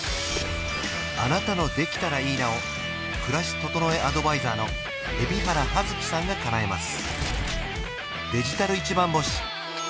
あなたの「できたらいいな」を暮らし整えアドバイザーの海老原葉月さんがかなえます